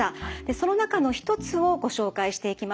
その中の一つをご紹介していきます。